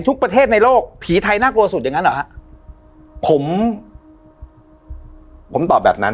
ทุกประเทศในโลกผีไทยน่ากลัวสุดอย่างนั้นเหรอฮะผมผมตอบแบบนั้น